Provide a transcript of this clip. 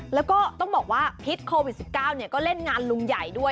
แล้วก็ต้องบอกว่าพิษโควิด๑๙ก็เล่นงานลุงใหญ่ด้วย